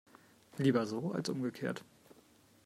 Lieber so als umgekehrt.